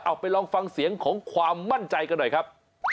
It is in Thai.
ไปลองฟังเสียงของความมั่นใจกันหน่อยครับ